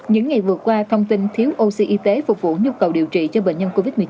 những ngày vừa qua thông tin thiếu oxy y tế phục vụ nhu cầu điều trị cho bệnh nhân covid một mươi chín